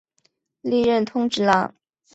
历任通直郎。